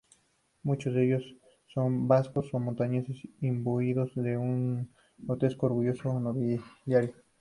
Muchos de ellos son vascos o montañeses, imbuidos de un grotesco orgullo nobiliario.